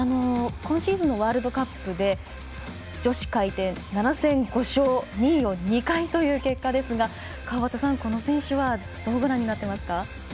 今シーズンのワールドカップで女子回転７戦５勝２位を２回という結果ですが川端さん、この選手はどうご覧になってますか？